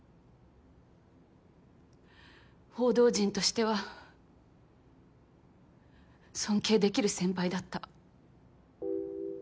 報道人としては尊敬できる先輩だった。